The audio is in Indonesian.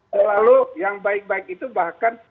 selalu yang baik baik itu bahkan